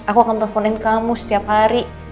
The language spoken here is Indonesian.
aku akan teleponin kamu setiap hari